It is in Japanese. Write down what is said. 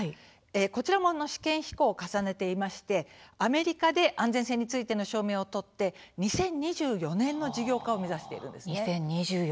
こちらも試験飛行を重ねていましてアメリカで安全性についての証明を取って２０２４年の事業化を目指しています。